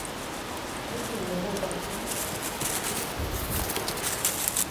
Mutu mu gokaçun?